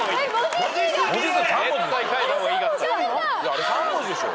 あれ３文字でしょ。